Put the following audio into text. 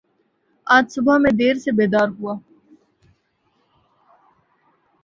آج صبح میں دیر سے بیدار ہوا